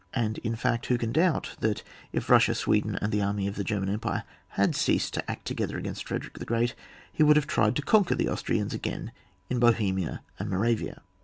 And, in fact, who can doubt that if Eus sia, Sweden, and the army of the German Empire had ceased to act together against Frederick the G^eat he would have tried to conquer the Austrians again in Bo hemia and Moravia